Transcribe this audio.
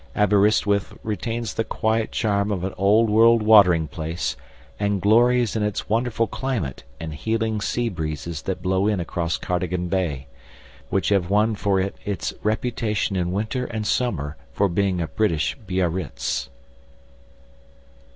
Aberystwyth retains the quiet charm of an old world "watering place," and glories in its wonderful climate and healing sea breezes that blow in across Cardigan Bay, which have won for it its reputation in winter and summer for being a British Biarritz.